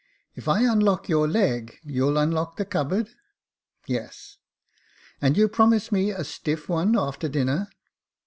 *' If I unlock your leg, you'll unlock the cupboard ?"♦♦ Yes." " And you promise me a stiffs one after dinner